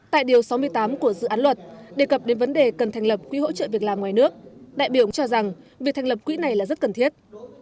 tại điều sáu mươi tám của dự án luật đề cập đến vấn đề cần thành lập quỹ hỗ trợ việc làm ngoài nước đại biểu cho rằng việc thành lập quỹ này là rất cần thiết